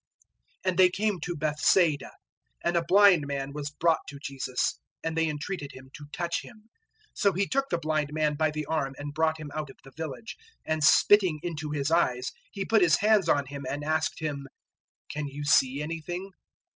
008:022 And they came to Bethsaida. And a blind man was brought to Jesus and they entreated Him to touch him. 008:023 So He took the blind man by the arm and brought him out of the village, and spitting into his eyes He put His hands on him and asked him, "Can you see anything?"